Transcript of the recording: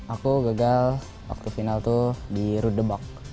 aku gagal waktu final tuh di rudebach